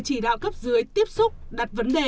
chỉ đạo cấp dưới tiếp xúc đặt vấn đề